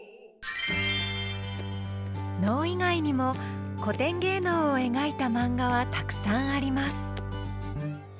能以外にも古典芸能を描いたマンガはたくさんあります